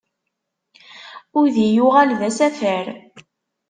Udi yuɣal d asafar.